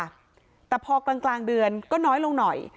ก็เยอะค่ะแต่พอกลางกลางเดือนก็น้อยลงหน่อย